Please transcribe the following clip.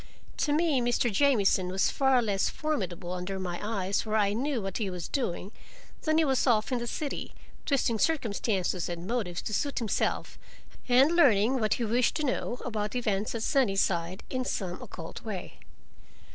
To me Mr. Jamieson was far less formidable under my eyes where I knew what he was doing, than he was off in the city, twisting circumstances and motives to suit himself and learning what he wished to know, about events at Sunnyside, in some occult way.